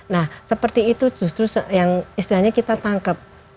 nah seperti itu justru yang istilahnya kita tangkep